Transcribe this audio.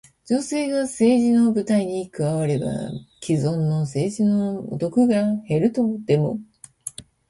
女性が政治の舞台に加われば、既存の政治の毒が減るとでも？